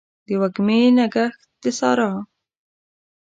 وږمې نګهت د سارا